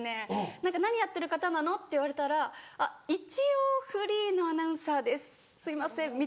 「何やってる方なの？」って言われたら「一応フリーのアナウンサーですすいません」みたいな。